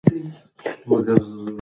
هغه نجلۍ چې په بهر کې ده، سبا راروانېږي.